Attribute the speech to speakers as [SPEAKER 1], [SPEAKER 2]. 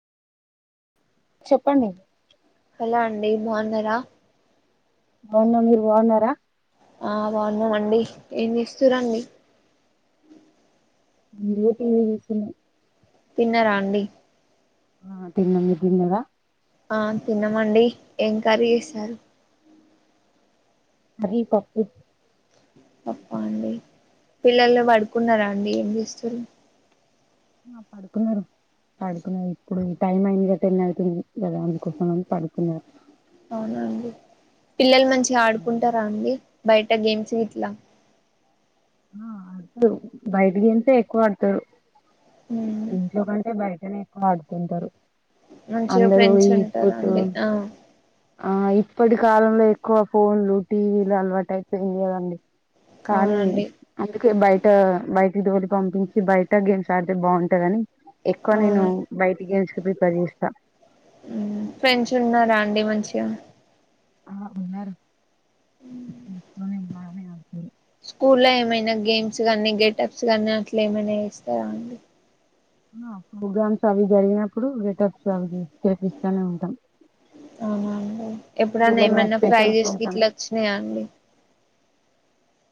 [SPEAKER 1] చెప్పండి
[SPEAKER 2] హలో అండి బాగున్నారా
[SPEAKER 1] బావున్నా మీరు బాగున్నారా
[SPEAKER 2] ఆ బాగున్నా అండి ఏం చేస్తుూరండి
[SPEAKER 1] ఇడి టీవి చూసిన
[SPEAKER 2] తిన్నరా అండీ
[SPEAKER 1] ఆ తిన్నం తిన్న రా
[SPEAKER 2] ఆ తినమండి ఏం కర్రీ చేసారు
[SPEAKER 1] అది పప్పు
[SPEAKER 2] పప్పా అండి పిల్లలు పడుకున్నారా అండి ఏం చేస్తు
[SPEAKER 1] ఆ పడుకున్నారు పడుకున్నారు ఇప్పుడు టైం అయింది గట్ట ఎ అడుతుంది కదా అందుకోస పడుకున్నారు
[SPEAKER 2] అవునండి పిల్లల మంచి మంచి ఆడుకుంటారా అండి బయట గేమ్స్ ఇట్లా
[SPEAKER 1] ఆ అడుతారు బయటికెతేే ఎక్కువ ఆడతారు
[SPEAKER 2] ఉమ్
[SPEAKER 1] ఇంట్లో కంటే బయట ఆడుకుంటారు
[SPEAKER 2] మంచిగా
[SPEAKER 1] అందరూ
[SPEAKER 2] ఫ్రెండ్స్ ఉంటారు
[SPEAKER 1] ఇప్పుడు
[SPEAKER 2] అండి ఆ
[SPEAKER 1] ఆ ఇప్పటి కాలంలో ఎక్కువ ఫోన్లు టీవీలు అలవాటుైప్ ఏంది కదండి కానీ
[SPEAKER 2] అవునండి
[SPEAKER 1] అందుకే బయట బయటికి డోలి పంపించి బయట గేమ్స్ ఆడితే బాగుంటదని ఎక్కువ
[SPEAKER 2] అవును
[SPEAKER 1] నేను బయటి గెచకు ప్రిపేర్ చేస్తా
[SPEAKER 2] అ
[SPEAKER 1] ఆ ఉన్నారు ఇంట్లోనే ఉన్నారు
[SPEAKER 2] స్కూలో ఏమైనా గేమ్స్ కానీ గెటప్స్ కానీ అట్లా ఏమైనా వేస్తారా అండి
[SPEAKER 1] ప్రోగ్రామ్స్ అవి జరిగినప్పుడు రిటప్స్ అవి తెపిస్తూనే ఉంటాం
[SPEAKER 2] అవునండి
[SPEAKER 1] స్కూల్
[SPEAKER 2] ఎప్పుడన్నా
[SPEAKER 1] ఏమైనా
[SPEAKER 2] ఏమన్నా ఫ్రై
[SPEAKER 1] స్పెషల్
[SPEAKER 2] చేసి
[SPEAKER 1] ప్రోగ్రామ్
[SPEAKER 2] ఇట్లా వచ్చినాయా అండి